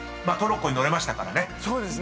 トロッコに乗れましたからね］